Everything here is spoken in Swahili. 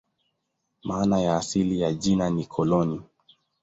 Maana asili ya jina ni "koloni".